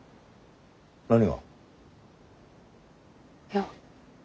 何が？いや。